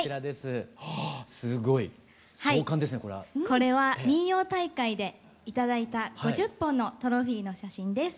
これは民謡大会で頂いた５０本のトロフィーの写真です。